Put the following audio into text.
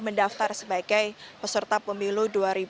mendaftar sebagai peserta pemilu dua ribu sembilan belas